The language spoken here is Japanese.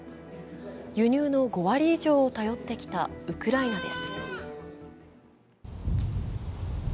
輸入の５割以上を頼ってきたウクライナです。